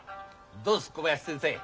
どうです小林先生。